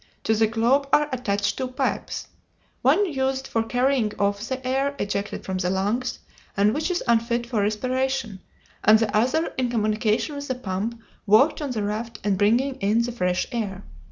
To the globe are attached two pipes; one used for carrying off the air ejected from the lungs, and which is unfit for respiration, and the other in communication with a pump worked on the raft, and bringing in the fresh air.